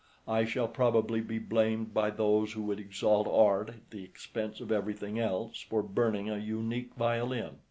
I shall probably be blamed by those who would exalt art at the expense of everything else, for burning a unique violin.